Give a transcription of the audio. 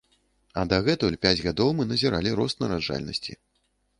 А дагэтуль пяць гадоў мы назіралі рост нараджальнасці.